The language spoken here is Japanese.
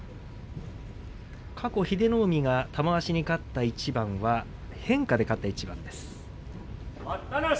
過去、英乃海が玉鷲に勝った一番は変化で勝った一番です。